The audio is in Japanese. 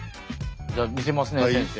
じゃあ見せますね先生。